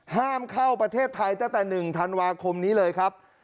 ห้ามเข้าประเทศไทยตั้งแต่๑ธันวาคมนี้เลยครับ